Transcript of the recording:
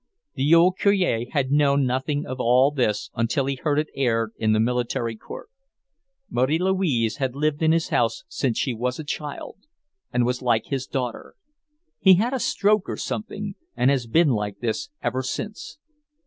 The old Cure had known nothing of all this until he heard it aired in the military court. Marie Louise had lived in his house since she was a child, and was like his daughter. He had a stroke or something, and has been like this ever since.